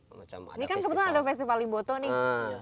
ini kan kebetulan ada festival liboto nih